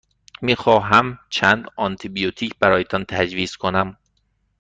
می خواهمم چند آنتی بیوتیک برایتان تجویز کنم.